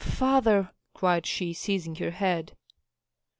"Father!" cried she, seizing her head.